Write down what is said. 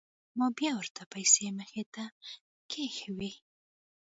ما بيا ورته پيسې مخې ته كښېښووې.